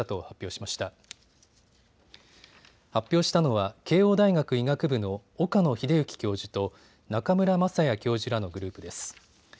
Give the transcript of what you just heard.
発表したのは慶応大学医学部の岡野栄之教授と中村雅也教授らのグループです。